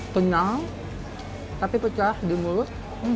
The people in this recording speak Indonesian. tenang tapi pecah di mulut